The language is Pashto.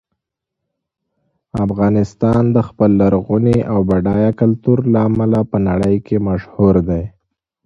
افغانستان د خپل لرغوني او بډایه کلتور له امله په نړۍ کې مشهور دی.